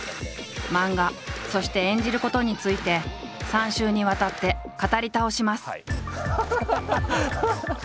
漫画そして演じることについて３週にわたって語り倒します。